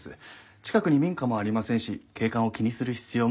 近くに民家もありませんし景観を気にする必要もありません。